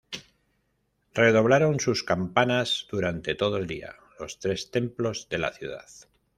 Redoblaron sus campanas, durante todo el día, los tres templos de la Ciudad.